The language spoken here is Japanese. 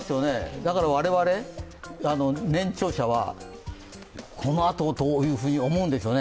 だから我々年長者はこのあとどういうふうにと思うんでしょうね。